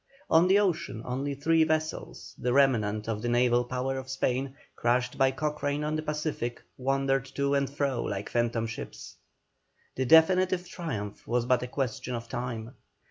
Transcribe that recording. On the ocean, only three vessels, the remnant of the naval power of Spain, crushed by Cochrane on the Pacific, wandered to and fro like phantom ships. The definitive triumph was but a question of time.